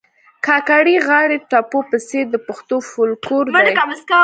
کاکړۍ غاړي ټپو په څېر د پښتو فولکور دي